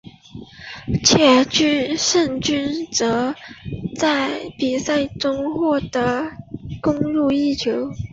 且肇俊哲在比赛中还攻入一球。